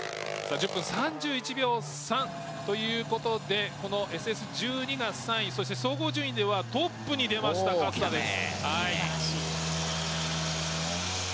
１０分３１秒３ということでこのＳＳ１２が３位そして、総合順位ではトップに出ました勝田です。